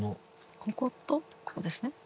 こことここですね。